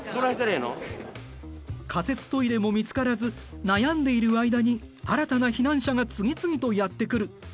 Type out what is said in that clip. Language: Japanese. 仮設トイレも見つからず悩んでいる間に新たな避難者が次々とやって来る。